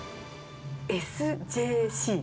ＳＪＣ。